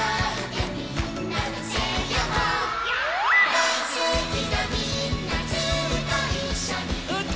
「だいすきなみんなずっといっしょにうたおう」